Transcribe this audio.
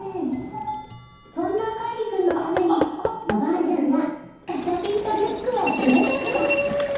そんな海季君のためにおばあちゃんがガチャピンとムックをプレゼント。